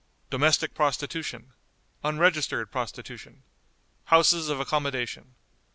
Domestic Prostitution. Unregistered Prostitution. Houses of Accommodation.